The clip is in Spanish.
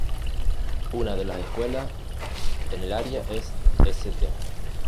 Una de las escuelas en el área es "St.